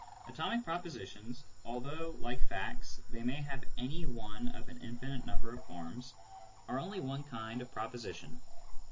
Atomic propositions, although, like facts, they may have any one of an infinite number of forms, are only one kind of propositions.